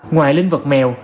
ngoài linh vật mèo